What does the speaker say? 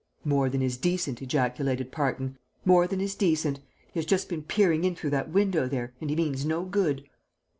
"More than is decent," ejaculated Parton. "More than is decent. He has just been peering in through that window there, and he means no good."